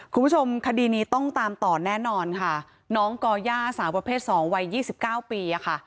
คุณผู้ชมคดีนี้ต้องตามต่อแน่นอนค่ะน้องก่อย่าสาวประเภท๒วัย๒๙ปีอะค่ะ